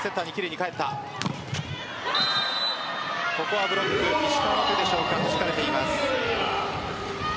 ここはブロック、石川でしょうかはじかれています。